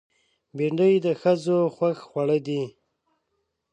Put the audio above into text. بېنډۍ د ښځو خوښ خوړ دی